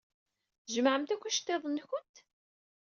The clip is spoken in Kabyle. Tjemɛemt akk iceṭṭiḍen-nkent?